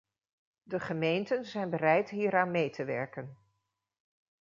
De gemeenten zijn bereid hieraan mee te werken.